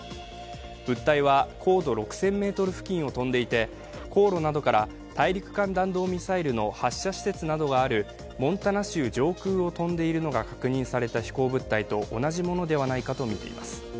物体は高度６０００ｍ付近を飛んでいて大陸間弾道ミサイルの発射施設などがあるモンタナ州上空を飛んでいるのが確認された飛行物体と同じものではないかとみています。